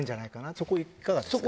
そこいかがですか？